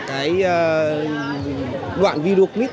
cái đoạn video clip